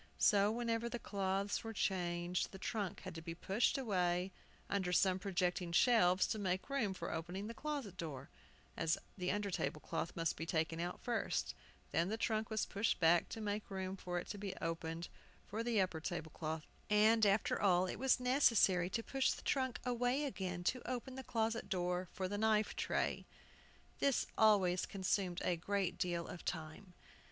So, whenever the cloths were changed, the trunk had to be pushed away under some projecting shelves to make room for opening the closet door (as the under table cloth must be taken out first), then the trunk was pushed back to make room for it to be opened for the upper table cloth, and, after all, it was necessary to push the trunk away again to open the closet door for the knife tray. This always consumed a great deal of time.